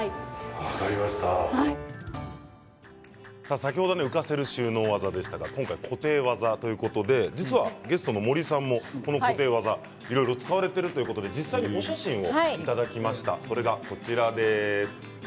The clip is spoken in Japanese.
先ほど、浮かせる収納技でしたが今回は固定技ということで実はゲストの森さんもこの固定技いろいろ使われているということで実際にお写真をいただきました。